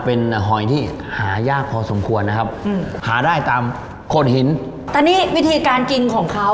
เป็นหอยที่หายากพอสมควรนะครับหาได้ตามโคตรหิน